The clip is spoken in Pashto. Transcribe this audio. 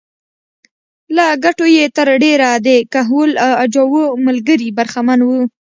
له ګټو یې تر ډېره د کهول اجاو ملګري برخمن وو.